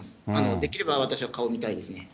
できれば私は顔を見たいです